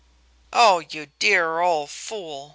"Oh, you dear old fool!"